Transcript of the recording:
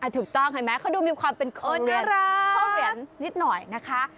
ถูกต้องเห็นไหมเขาดูมีความเป็นคนน่ารักเขาเหรียญนิดหน่อยนะคะ